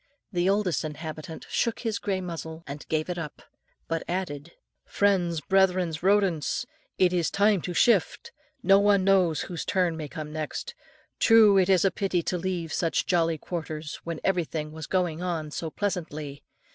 The oldest inhabitant shook his grey muzzle, and gave it up; but added, "Friends, brethren, rodents! it is time to shift. No one knows whose turn may come next. True, it is a pity to leave such jolly quarters, when everything was going on so pleasantly.